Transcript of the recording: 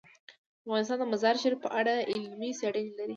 افغانستان د مزارشریف په اړه علمي څېړنې لري.